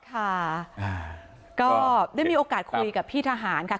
ค่ะก็ได้มีโอกาสคุยกับพี่ทหารค่ะ